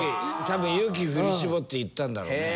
多分勇気振り絞って言ったんだろうね。